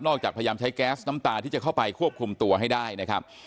จากพยายามใช้แก๊สน้ำตาที่จะเข้าไปควบคุมตัวให้ได้นะครับ